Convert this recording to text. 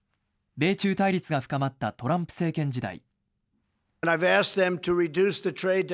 米中対立が深まったトランプ政権時代。